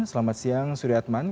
selamat siang suriatman